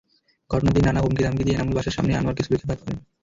ঘটনার দিন নানা হুমকি-ধমকি দিয়ে এনামুল বাসার সামনেই আনোয়ারকে ছুরিকাঘাত করেন।